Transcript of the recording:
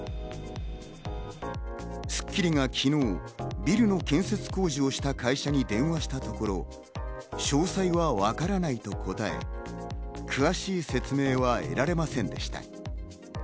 『スッキリ』が昨日、ビルの建設工事をした会社に電話をしたところ、詳細はわからないと答え、詳しい説明は得られませんでした。